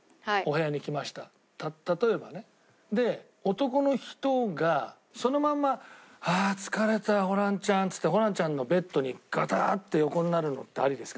で男の人がそのまんま「ああ疲れたよホランちゃん」っつってホランちゃんのベッドにガタッて横になるのってありですか？